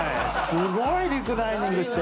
すごいリクライニングして。